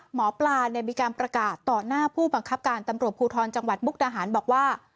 หมอปลามีการประกาศต่อหน้าผู้บังคับการตำรวจภูทรจังหวัดมุกดาหารบอกว่า